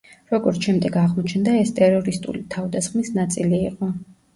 როგორც შემდეგ აღმოჩნდა ეს ტერორისტული თავდასხმის ნაწილი იყო.